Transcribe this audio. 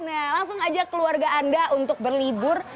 nah langsung ajak keluarga anda untuk berlibur